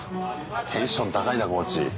テンション高いなコーチ。